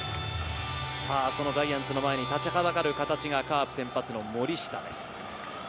ジャイアンツの前に立ちはだかる形がカープ、先発の森下です。